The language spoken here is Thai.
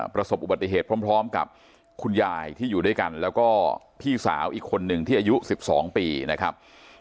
ประสบอุบัติเหตุพร้อมกับคุณยายที่อยู่ด้วยกันแล้วก็พี่สาวอีกคนหนึ่งที่อายุ๑๒ปีนะครับ